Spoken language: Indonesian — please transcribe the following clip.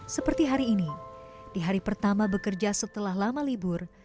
seperti hari ini di hari pertama bekerja setelah lama libur